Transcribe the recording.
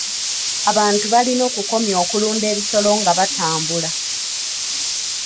Abantu balina okukomya okulunda ebisolo nga batambula.